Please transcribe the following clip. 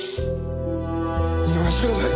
見逃してください。